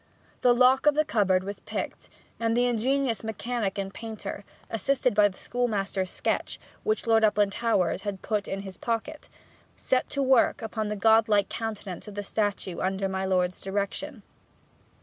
The lock of the cupboard was picked, and the ingenious mechanic and painter, assisted by the schoolmaster's sketch, which Lord Uplandtowers had put in his pocket, set to work upon the god like countenance of the statue under my lord's direction.